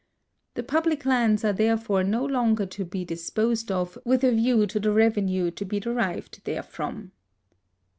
The public lands are therefore ho longer to be disposed of with a view to the revenue to be derived therefrom.